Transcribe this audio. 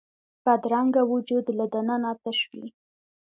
بدرنګه وجود له دننه تش وي